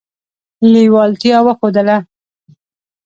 لېوالتیا وښودله.